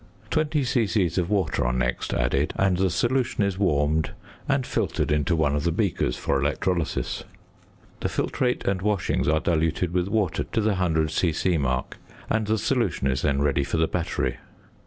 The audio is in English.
Twenty c.c. of water are next added, and the solution is warmed, and filtered into one of the beakers for electrolysis. The filtrate and washings are diluted with water to the 100 c.c. mark, and the solution is then ready for the battery.